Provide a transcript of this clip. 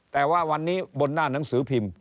แต่ว่าวันนี้บนหน้าหนังสือพิมพ์